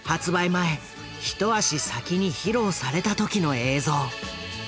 前ひと足先に披露された時の映像。